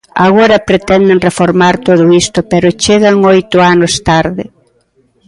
Agora pretenden reformar todo isto pero chegan oito anos tarde.